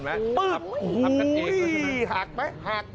หากไป